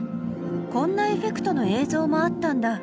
こんなエフェクトの映像もあったんだ。